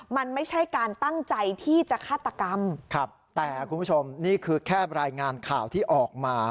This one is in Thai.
มันไม่ใช่การตั้งใจที่จะฆาตกรรมครับแต่คุณผู้ชมนี่คือแค่รายงานข่าวที่ออกมา